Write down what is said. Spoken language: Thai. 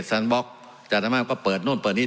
สวัสดีสวัสดี